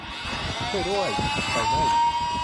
ช่วยด้วย ! ไฟไหม้ !